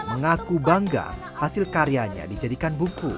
mengaku bangga hasil karyanya dijadikan buku